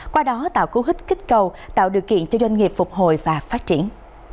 qua đó tạo cú hít kích cầu tạo điều kiện cho doanh nghiệp phục hồi và phát triển